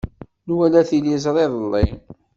Nwala tiliẓri iḍelli.